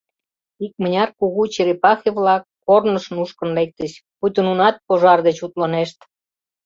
Икмыняр кугу черепахе-влак корныш нушкын лектыч, пуйто нунат пожар деч утлынешт.